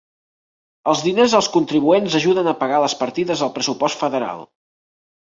Els diners dels contribuents ajuden a pagar les partides del pressupost federal.